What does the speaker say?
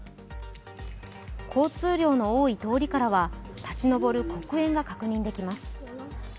交通量の多い通りからは立ち上る黒煙が確認できます。